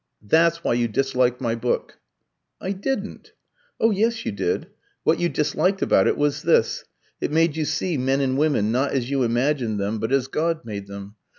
That's why you disliked my book." "I didn't." "Oh, yes, you did. What you disliked about it was this. It made you see men and women, not as you imagined them, but as God made them.